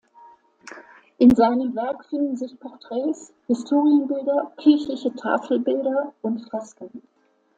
In seinem Werk finden sich Porträts, Historienbilder, kirchliche Tafelbilder und Fresken.